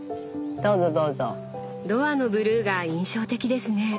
ドアのブルーが印象的ですね。